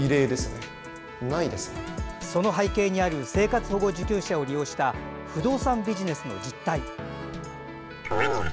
その背景にある生活保護受給者を利用した不動産ビジネスの実態。